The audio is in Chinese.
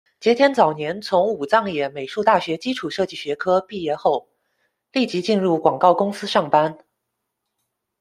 桝田早年从武藏野美术大学基础设计学科毕业后，立即进入广告公司上班。